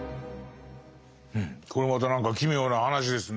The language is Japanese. これまた何か奇妙な話ですね。